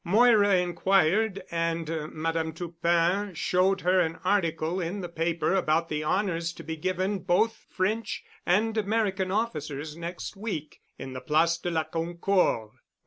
Moira inquired and Madame Toupin showed her an article in the paper about the honors to be given both French and American officers next week in the Place de la Concord.